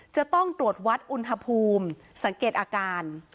จะต้องตรวจวัดอุณหภูมิสังเกตอาการ